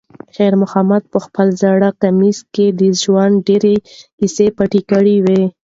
خیر محمد په خپل زوړ کمیس کې د ژوند ډېرې کیسې پټې کړې وې.